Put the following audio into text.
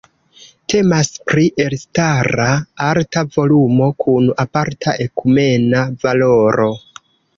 Temas pri elstara arta volumo kun aparta ekumena valoro.